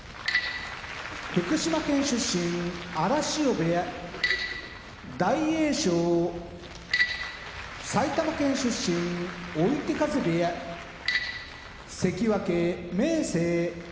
福島県出身荒汐部屋大栄翔埼玉県出身追手風部屋関脇・明生